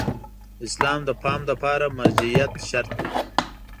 د اسلام د فهم لپاره مرجعیت شرط دی.